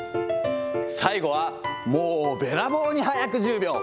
最後はもうべらぼうに早く１０秒。